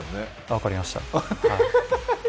分かりました。